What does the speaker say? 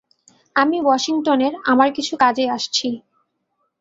আমি ওয়াশিংটনের আমার কিছু কাজে আসছি।